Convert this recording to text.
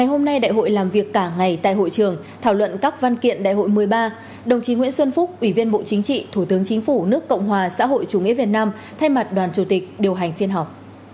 ủy viên bộ chính trị thủ tướng chính phủ nước cộng hòa xã hội chủ nghĩa việt nam thay mặt đoàn chủ tịch điều hành phiên họp